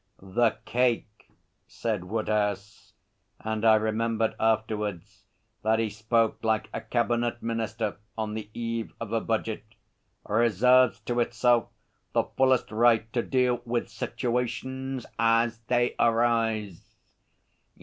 'The Cake,' said Woodhouse, and I remembered afterwards that he spoke like a Cabinet Minister on the eve of a Budget, 'reserves to itself the fullest right to deal with situations as they arise.'